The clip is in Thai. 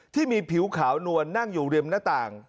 ที่มีผิวขาวนวลนั่งอยู่ริมหน้าต่าง